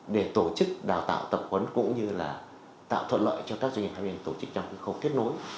để tổ chức đào tạo tập huấn cũng như là tạo thuận lợi cho các doanh nghiệp hai bên tổ chức trong khâu kết nối